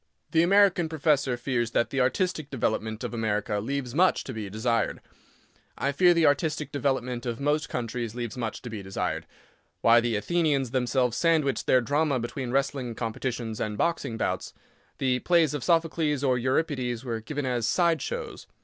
The American professor fears that the artistic development of America leaves much to be desired. I fear the artistic development of most countries leaves much to be desired. Why the Athenians themselves sandwiched their drama between wrestling competitions and boxing bouts. The plays of Sophocles, or Euripides, were given as "side shows."